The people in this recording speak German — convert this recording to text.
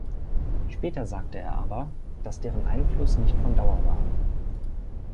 Später sagte er aber, dass deren Einfluss nicht von Dauer war.